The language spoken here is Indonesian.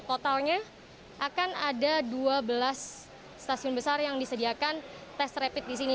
totalnya akan ada dua belas stasiun besar yang disediakan tes rapid di sini